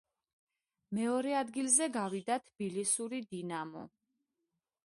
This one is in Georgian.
მეორე ადგილზე გავიდა თბილისური „დინამო“.